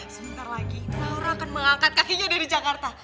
sebentar lagi laura akan mengangkat kakinya dari jakarta